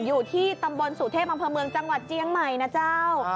อยู่ที่ตำบลสุเทพอำเภอเมืองจังหวัดเจียงใหม่นะเจ้า